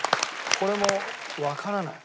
これもわからない。